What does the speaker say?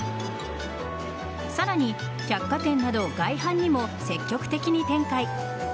さらに、百貨店など外販にも積極的に展開。